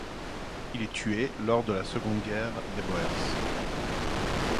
Il est tué lors de la Seconde Guerre des Boers.